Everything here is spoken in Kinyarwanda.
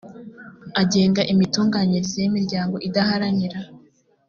agenga imitunganyirize y imiryango idaharanira